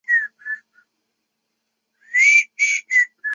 听大学同事说